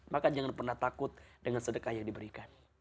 maka jangan pernah takut dengan sedekah yang diberikan